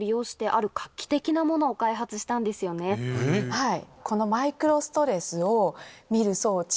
はい。